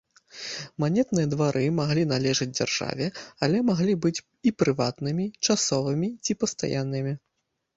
Манетныя двары маглі належыць дзяржаве, але маглі быць і прыватнымі, часовымі ці пастаяннымі.